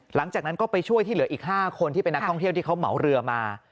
หลังจากนั้นก็ไปช่วยที่เหลืออีก๕คนที่เป็นนักท่องเที่ยวที่เขาเหมาเรือมา